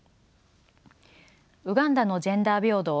ウガンダのジェンダー平等